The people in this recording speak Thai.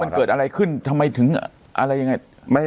มันเกิดอะไรขึ้นทำไมถึงอะไรยังไง